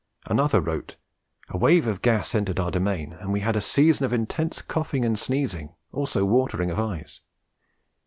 Another wrote: 'A wave of gas entered our domain and we had a season of intense coughing and sneezing, also watering of eyes.